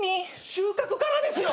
収穫からですよ